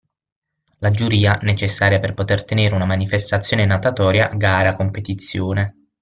La giuria, necessaria per poter tenere una manifestazione natatoria (gara, competizione, …).